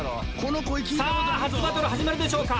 さぁ初バトル始まるでしょうか